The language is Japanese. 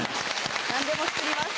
何でも作ります。